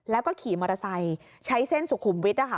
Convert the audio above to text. แล้วก็ขี่มอเตอร์ไซค์ใช้เส้นสุขุมวิทย์นะคะ